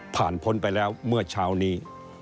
พ้นไปแล้วเมื่อเช้านี้